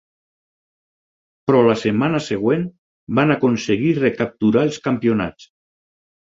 Però la setmana següent van aconseguir recapturar els campionats.